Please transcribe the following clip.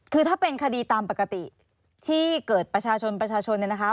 คือถ้าเป็นคดีตามปกติที่เกิดประชาชนประชาชนเนี่ยนะคะ